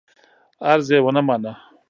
عرض یې ونه مانه.